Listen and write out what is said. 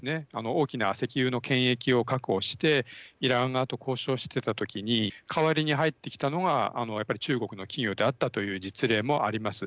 大きな石油の権益を確保してイラン側と交渉してた時に代わりに入ってきたのがやっぱり中国の企業であったという実例もあります。